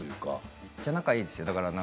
めっちゃ仲いいですよ。